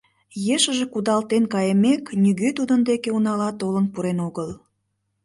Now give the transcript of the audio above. Ешыже кудалтен кайымек, нигӧ тудын деке унала толын пурен огыл.